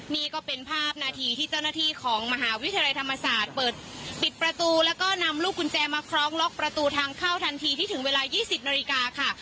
นี่ก็เป็นภาพนาทีที่เจ้าหน้าที่ของมหาวิทยาลัยธรรมศาสตร์เปิดปิดประตูแล้วก็นำลูกกุญแจมาคล้องล็อกประตูทางเข้าทันทีที่ถึงเวลา๒๐นาฬิกาค่ะ